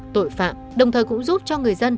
tội phạm đồng thời cũng giúp cho người dân